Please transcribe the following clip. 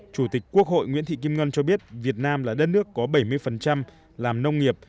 chủ tịch quốc hội nguyễn thị kim ngân cho biết việt nam là đất nước có bảy mươi làm nông nghiệp